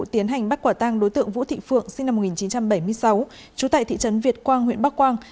tiến hành bắt quả tang đối tượng vũ thị phượng sinh năm một nghìn chín trăm bảy mươi sáu trú tại thị trấn việt quang huyện bắc quang